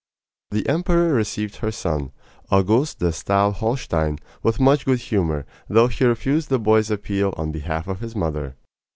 The emperor received her son, Auguste de Stael Holstein, with much good humor, though he refused the boy's appeal on behalf of his mother.